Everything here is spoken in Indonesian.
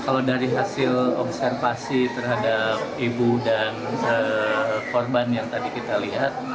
kalau dari hasil observasi terhadap ibu dan korban yang tadi kita lihat